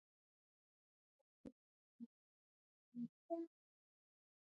افغانستان تر هغو نه ابادیږي، ترڅو سایبري جرمونه کنټرول نشي.